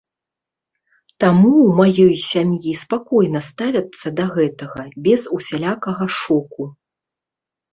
Таму ў маёй сям'і спакойна ставяцца да гэтага, без усялякага шоку.